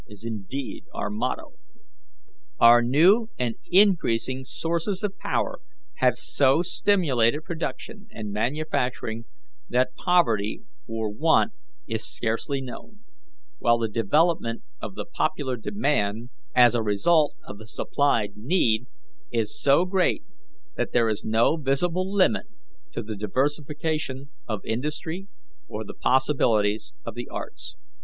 is indeed our motto. Our new and increasing sources of power have so stimulated production and manufacturing that poverty or want is scarcely known; while the development of the popular demand, as a result of the supplied need, is so great that there is no visible limit to the diversification of industry or the possibilities of the arts.